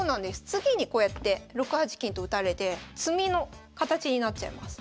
次にこうやって６八金と打たれて詰みの形になっちゃいます。